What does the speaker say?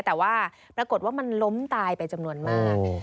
แต่ว่าปรากฏว่ามันล้มตายไปจำนวนมาก